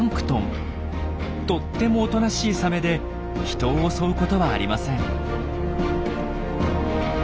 とってもおとなしいサメで人を襲うことはありません。